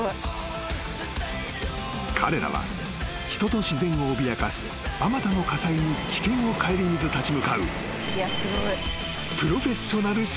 ［彼らは人と自然を脅かすあまたの火災に危険を顧みず立ち向かう］